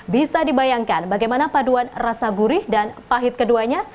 bisa dibayangkan bagaimana paduan rasa gurih dan pahit keduanya